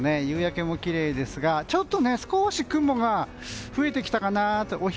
夕焼けもきれいですが少し雲が吹いてきたかなと。